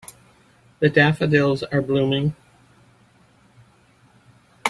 The daffodils are blooming.